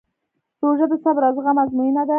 روژه د صبر او زغم ازموینه ده.